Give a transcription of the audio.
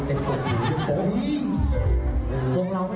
เดี๋ยวเจ้าโดนจะบอก